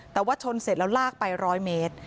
แต่ว่าชนเสร็จแล้วลากไป๑๐๐เมตร